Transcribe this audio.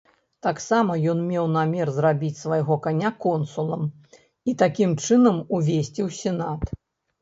Таксама ён меў намер зрабіць свайго каня консулам і такім чынам увесці ў сенат.